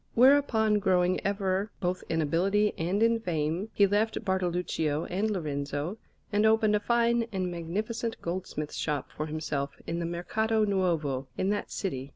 Whereupon, growing ever both in ability and in fame, he left Bartoluccio and Lorenzo, and opened a fine and magnificent goldsmith's shop for himself in the Mercato Nuovo in that city.